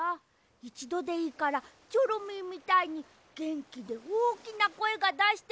いちどでいいからチョロミーみたいにげんきでおおきなこえがだしてみたいんだよ。